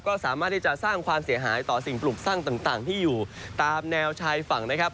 ก็สามารถที่จะสร้างความเสียหายต่อสิ่งปลูกสร้างต่างที่อยู่ตามแนวชายฝั่งนะครับ